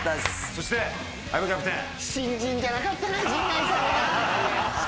そして相葉キャプテン。